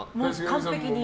完璧に？